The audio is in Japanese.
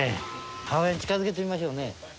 母親に近づけてみましょうね。